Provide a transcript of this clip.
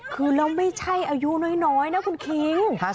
คือแล้วไม่ใช่อายุน้อยนะคุณคิง